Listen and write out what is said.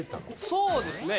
そうですね。